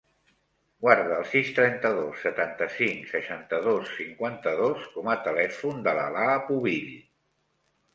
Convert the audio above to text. Guarda el sis, trenta-dos, setanta-cinc, seixanta-dos, cinquanta-dos com a telèfon de l'Alaa Pubill.